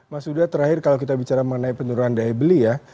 mas huda terakhir kalau kita bicara mengenai penurunan daya beli ya